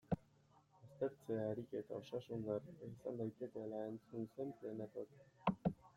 Aztertzea ariketa osasungarria izan daitekeela entzun zen plenarioan.